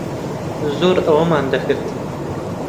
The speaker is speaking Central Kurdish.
زۆر ئەوەمان دەکرد.